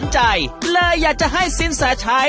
จริง